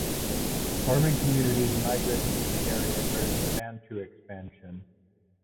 Farming communities migrated to the area during the Bantu expansion